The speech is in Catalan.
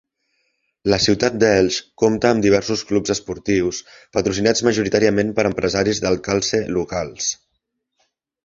La ciutat d'Elx compta amb diversos clubs esportius patrocinats majoritàriament per empresaris del calcer locals.